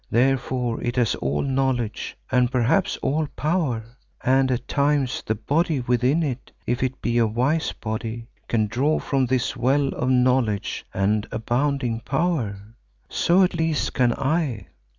Therefore it has all knowledge and perhaps all power, and at times the body within it, if it be a wise body, can draw from this well of knowledge and abounding power. So at least can I.